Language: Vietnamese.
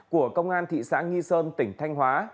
của công an thị xã nghi sơn tỉnh thanh hóa